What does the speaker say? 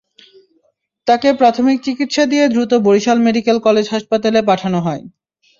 তাঁকে প্রাথমিক চিকিৎসা দিয়ে দ্রুত বরিশাল মেডিকেল কলেজ হাসপাতালে পাঠানো হয়।